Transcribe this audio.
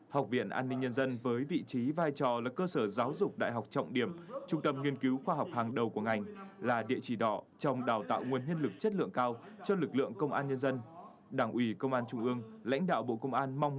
học viện an ninh nhân dân với vị trí vai trò là cơ sở giáo dục đại học trọng điểm trung tâm nghiên cứu khoa học hàng đầu của ngành là địa chỉ đỏ trong đào tạo nguồn nhân lực chất lượng cao cho lực lượng công an nhân dân